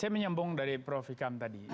saya menyambung dari prof ikam tadi